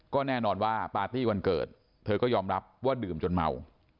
ก็แน่นอนว่าปาร์ตี้วันเกิดเธอก็ยอมรับว่าดื่มจนเมา